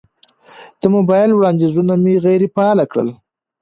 د موبایل وړاندیزونه مې غیر فعال کړل.